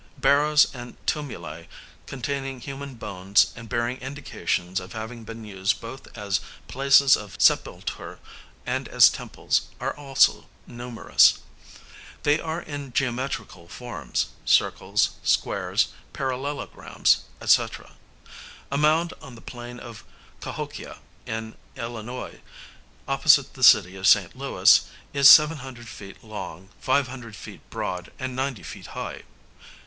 Barrows and tumuli containing human bones, and bearing indications of having been used both as places of sepulture and as temples, are also numerous. They are in geometrical forms circles, squares, parallelograms, &c. A mound on the plain of Cahokia in Illinois, opposite the city of St. Louis, is 700 feet long, 500 feet broad, and 90 feet high.